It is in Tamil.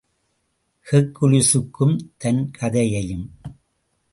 ஹெர்க்குலிஸுசும் தன் கதையையும்.